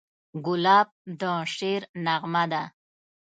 ګلاب د شعر نغمه ده.